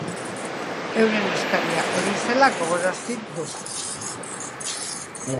Euren eskaria hori zela gogorarazi du.